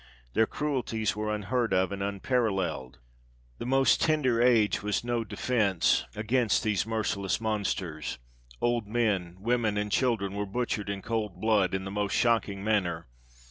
Their cruelties were unheard of and unparalleled ; the most tender age was no defence against these merciless monsters ; old men, women, and children were butchered in cold blood, in the most shocking manner.